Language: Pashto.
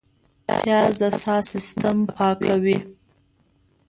پیاز د ساه سیستم پاکوي